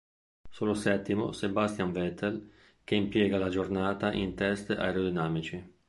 Solo settimo Sebastian Vettel che impiega la giornata in test aerodinamici.